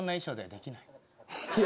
できない。